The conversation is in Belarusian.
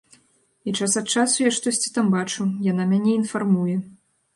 І час ад часу я штосьці там бачу, яна мяне інфармуе.